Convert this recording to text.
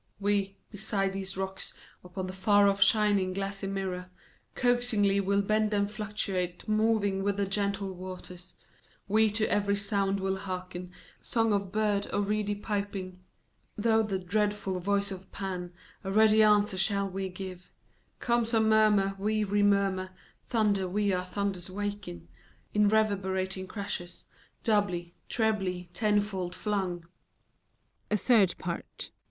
We, beside these rocks, upon the far off shining, glassy mirror, Coaxingly will bend and fluctuate, moving with the gentle waters; We to every sound will hearken, song of bird or reedy piping; Though the dreadful voice of Pan, a ready answer shall we give : Comes a murmur, we re murmur, — ^thunder, we our thunders waken In reverberating crashes, doubly, trebly, tenfold flunf 186 FAUST, A THIRD PART.